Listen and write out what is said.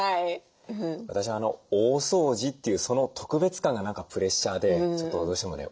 私「大掃除」っていうその特別感が何かプレッシャーでちょっとどうしてもね